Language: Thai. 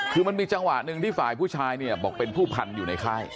คือมันมีจังหวะหนึ่งที่ฝ่ายผู้ชายเนี่ยบอกเป็นผู้พันอยู่ในค่าย